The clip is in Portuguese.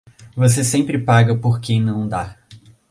Você sempre paga por quem não dá.